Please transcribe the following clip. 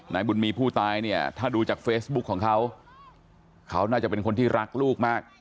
นายบุญมีผู้ตายเนี่ยถ้าดูจากเฟซบุ๊คของเขาเขาน่าจะเป็นคนที่รักลูกมาก